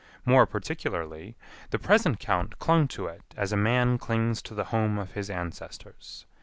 More particularly, the present count clung to it as a man clings to the home of his ancestors.